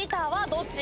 どっち？